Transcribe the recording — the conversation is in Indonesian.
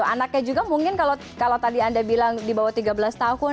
anaknya juga mungkin kalau tadi anda bilang di bawah tiga belas tahun